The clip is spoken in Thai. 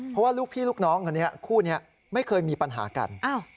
เพราะว่าลูกพี่ลูกน้องคนนี้คู่นี้ไม่เคยมีปัญหากัน